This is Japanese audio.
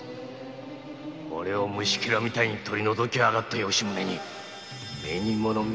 おれを虫ケラみたいに取り除きやがった吉宗に目にもの見せてやる！